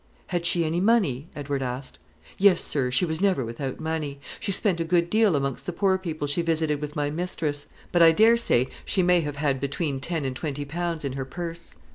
"Had she any money?" Edward asked. "Yes, sir; she was never without money. She spent a good deal amongst the poor people she visited with my mistress; but I dare say she may have had between ten and twenty pounds in her purse."